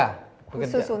khusus untuk istana